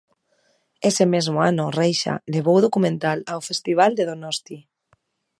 Ese mesmo ano Reixa levou o documental ao Festival de Donosti.